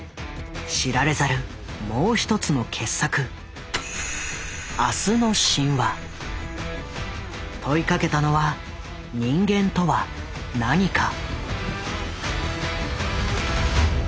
知られざるもう一つの傑作問いかけたのは人間とは何か。